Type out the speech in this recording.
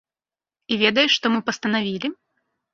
І ведаеш, што мы пастанавілі?